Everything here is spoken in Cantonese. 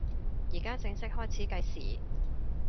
依家正式開始計時